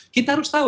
kita harus tahu